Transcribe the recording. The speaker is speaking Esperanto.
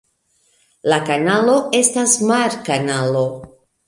La kanalo estas mar-kanalo.